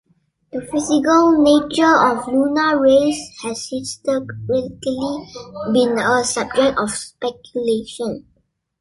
The physical nature of lunar rays has historically been a subject of speculation.